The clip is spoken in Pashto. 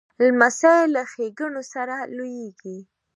لمسی له ښېګڼو سره لویېږي.